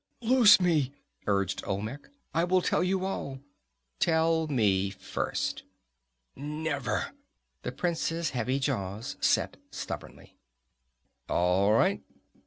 "Loose me!" urged Olmec, "I will tell you all!" "Tell me first." "Never!" The prince's heavy jaws set stubbornly. "All right."